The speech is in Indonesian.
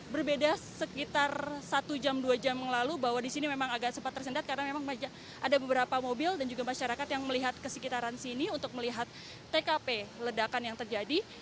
berbeda sekitar satu jam dua jam yang lalu bahwa di sini memang agak sempat tersendat karena memang ada beberapa mobil dan juga masyarakat yang melihat kesekitaran sini untuk melihat tkp ledakan yang terjadi